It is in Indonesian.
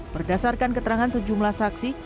berdasarkan keterangan sejumlah saksi